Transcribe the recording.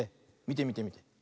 みてみてみて。